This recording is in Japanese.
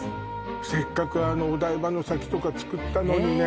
せっかくあのお台場の先とかつくったのにね